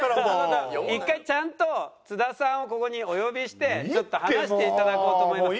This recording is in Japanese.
１回ちゃんと津田さんをここにお呼びしてちょっと話していただこうと思います。